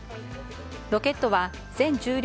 ロケットは全重量